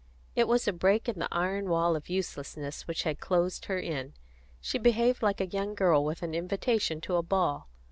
It was a break in the iron wall of uselessness which had closed her in; she behaved like a young girl with an invitation to a ball.